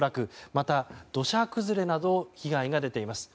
また、土砂崩れなど被害が出ています。